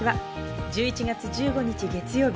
１１月１５日、月曜日。